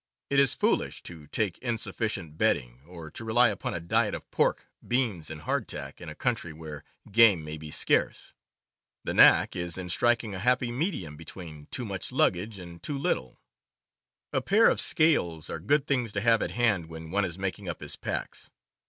It is foolish to take insufficient bedding, or to rely upon a diet of pork, beans, and hardtack, in a country where game may be scarce. The knack is in striking a happy medium between too much luggage and too little. A pair of scales are good things to have at hand when one is making up his packs.